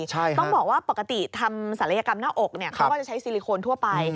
ต้องบอกว่าปกติทำศัลยกรรมหน้าอกเขาก็จะใช้ซิลิโคนทั่วไป